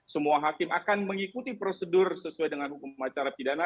semua hakim akan mengikuti prosedur sesuai dengan hukum acara pidana